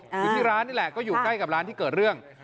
อยู่ที่ร้านนี่แหละก็อยู่ใกล้กับร้านที่เกิดเรื่อง